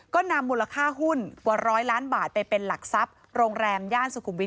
ก็นำมูลค่าหุ้นกว่าร้อยล้านบาทไปเป็นหลักทรัพย์โรงแรมย่านสุขุมวิท